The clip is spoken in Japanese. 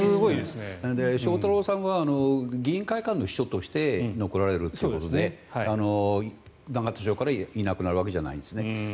翔太郎さんは議員会館の秘書として残られるということで永田町からいなくなるわけじゃないんですね。